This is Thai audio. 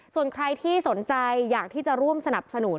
ส่วนใครที่สนใจอยากที่จะร่วมสนับสนุน